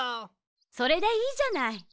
それでいいじゃない。